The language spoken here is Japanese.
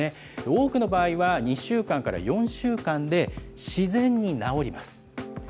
多くの場合は２週間から４週間で、自然に治ります。